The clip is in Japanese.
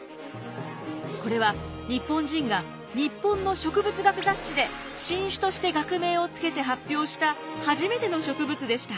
これは日本人が日本の植物学雑誌で新種として学名をつけて発表した初めての植物でした。